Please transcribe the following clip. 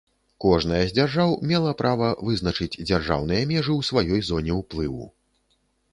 Кожная з дзяржаў мела права вызначыць дзяржаўныя межы ў сваёй зоне ўплыву.